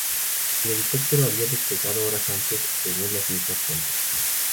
El helicóptero había despegado horas antes, según las mismas fuentes.